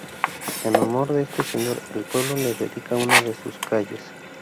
En honor de este señor, el pueblo le dedica una de sus calles.